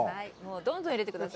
どんどん入れてください。